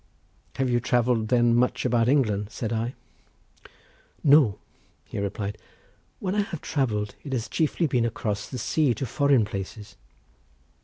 "Have you travelled then much about England?" said I. "No," he replied. "When I have travelled it has chiefly been across the sea to foreign places."